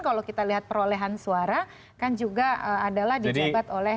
kalau kita lihat perolehan suara kan juga adalah dijabat oleh